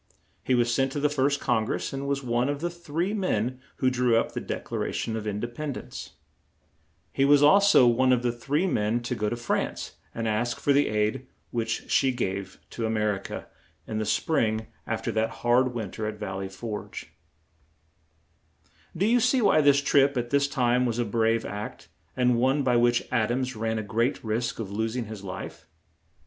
He was sent to the First Con gress and was one of the three men who drew up the Dec la ra tion of In de pend ence. [Illustration: CARPENTER'S HALL. Where the first Continental Congress met September, 1774.] He was al so one of three men to go to France and ask for the aid which she gave to A mer i ca, in the spring af ter that hard win ter at Val ley Forge. Do you see why this trip at this time was a brave act, and one by which Ad ams ran a great risk of los ing his life?